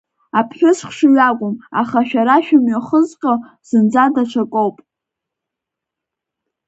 Аԥҳәыс хшыҩ акәым, аха шәара шәымҩахызҟьо зынӡа даҽакуп…